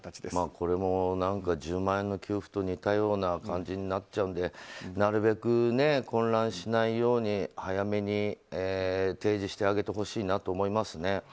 これも１０万円の給付と似たような感じになっちゃうのでなるべく混乱しないように早めに提示してあげてほしいなと思いますね。